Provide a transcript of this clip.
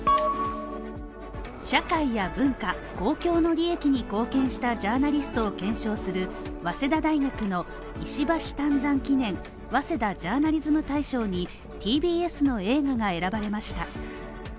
社会や文化、公共の利益に貢献したジャーナリストを検証する早稲田大学の石橋湛山記念早稲田ジャーナリズム大賞にＴＢＳの映画が選ばれました。